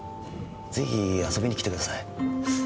ぜひ遊びに来てください。